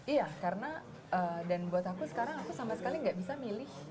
iya karena dan buat aku sekarang aku sama sekali nggak bisa milih